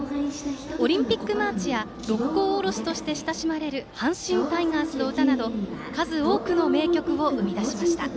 「オリンピック・マーチ」や「六甲おろし」として親しまれる阪神タイガースの歌など数多くの名曲を生み出しました。